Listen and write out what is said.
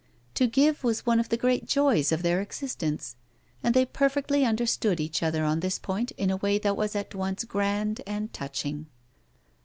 To give was one of the great joys of their existence, and they perfectly understood each other on this point in a way that was at once grand and touching.